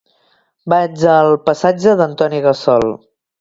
Vaig al passatge d'Antoni Gassol.